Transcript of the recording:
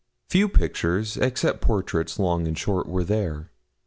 Few pictures, except portraits long and short, were there.